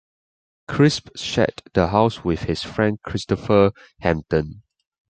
Crisp shared the house with his friend Christopher Hamilton.